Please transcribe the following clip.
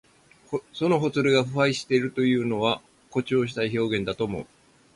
そのほつれが腐敗しているというのは、誇張した表現だと思う。